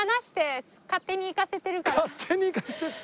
勝手に行かせてる。